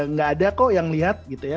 nggak ada kok yang lihat gitu ya